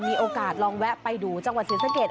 มีโอกาสลองแวะไปดูจังหวัดเศรษฐกรรม